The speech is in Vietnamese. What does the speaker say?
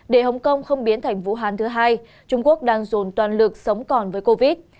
để hồng kông không biến thành vũ hán thứ hai trung quốc đang dồn toàn lực sống còn với covid